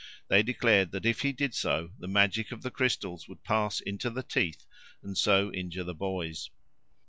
They declared that if he did so the magic of the crystals would pass into the teeth, and so injure the boys.